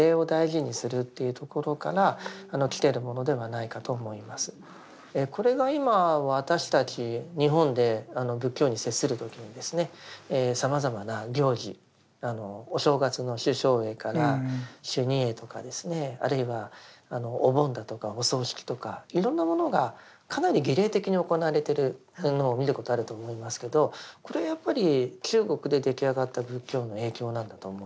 実はこれが今私たち日本で仏教に接する時にさまざまな行事お正月の修正会から修二会とかですねあるいはお盆だとかお葬式とかいろんなものがかなり儀礼的に行われてるのを見ることあると思いますけどこれはやっぱり中国で出来上がった仏教の影響なんだと思います。